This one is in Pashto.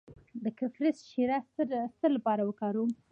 د کرفس شیره د څه لپاره وکاروم؟